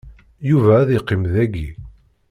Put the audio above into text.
Yuba ad iqqim dagi.